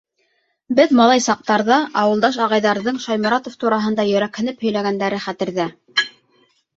Беҙ малай саҡтарҙа ауылдаш ағайҙарҙың Шайморатов тураһында йөрәкһенеп һөйләгәндәре хәтерҙә.